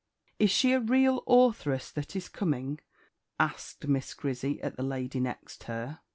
"Is she a real authoress that is coming?" asked Miss Grizzy at the lady next her.